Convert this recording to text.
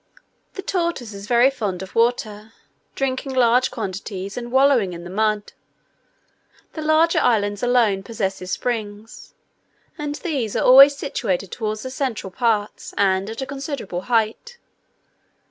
The tortoise is very fond of water, drinking large quantities, and wallowing in the mud. The larger islands alone possess springs, and these are always situated towards the central parts, and at a considerable height.